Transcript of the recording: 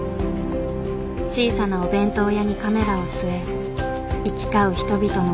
小さなお弁当屋にカメラを据え行き交う人々の声に耳を傾けた。